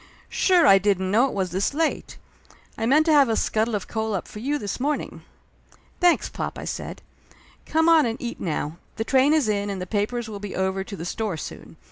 "Sure I didn't know it was this late! I meant to have a scuttle of coal up for you this morning !" "Thanks, pop," I said. "Come on and eat now. The train is in and the papers will be over to the store soon.